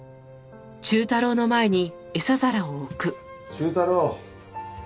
忠太郎。